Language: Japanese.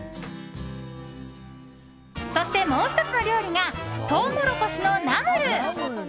そして、もう１つの料理がトウモロコシのナムル。